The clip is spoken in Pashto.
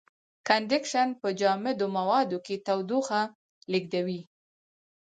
کنډکشن په جامدو موادو کې تودوخه لېږدوي.